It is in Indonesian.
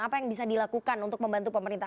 apa yang bisa dilakukan untuk membantu pemerintah